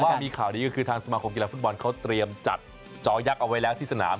ก็มีข่าวดีก็คือทางสมาคมกีฬาฟุตบอลเขาเตรียมจัดจอยักษ์เอาไว้แล้วที่สนาม